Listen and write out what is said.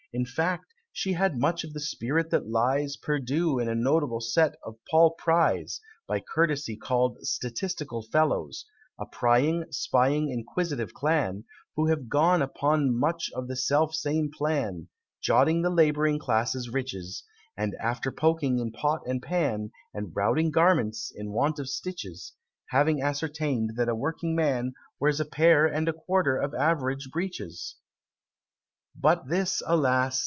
In fact, she had much of the spirit that lies Perdu in a notable set of Paul Prys, By courtesy called Statistical Fellows A prying, spying, inquisitive clan, Who have gone upon much of the self same plan, Jotting the Laboring Class's riches; And after poking in pot and pan, And routing garments in want of stitches, Have ascertained that a working man Wears a pair and a quarter of average breeches! But this, alas!